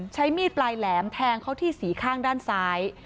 ใช้มีดปลายแหลมแทงเขาที่สีข้างด้านซ้าย